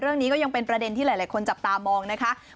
เรื่องนี้ก็ยังเป็นประเด็นที่หลายคนจับตามองนะคะ